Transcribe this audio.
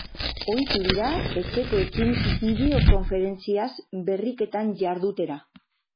Ohitu dira etxekoekin bideokonferentziaz berriketan jardutera.